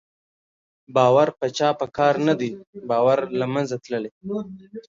باور په چا په کار نه دی، باور له منځه تللی